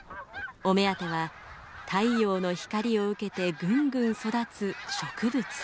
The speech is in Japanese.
お目当ては太陽の光を受けてぐんぐん育つ植物。